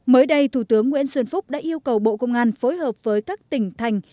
mới đây thủ tướng nguyễn xuân phúc đã yêu cầu bộ công an phối hợp với các tỉnh thành